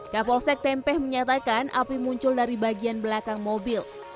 kapolsek tempeh menyatakan api muncul dari bagian belakang mobil